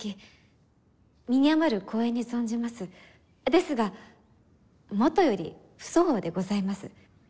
ですがもとより不相応でございます。